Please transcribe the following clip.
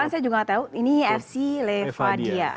saya juga nggak tahu ini fc levadia